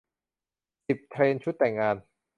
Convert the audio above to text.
สิบ เทรนด์ชุดแต่งงาน